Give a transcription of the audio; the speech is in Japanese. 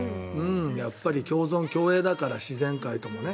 やっぱり共存共栄だから自然界ともね。